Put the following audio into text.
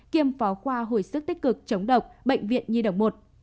kiêm phó khoa hồi sức tích cực chống độc bệnh viện nhi đồng một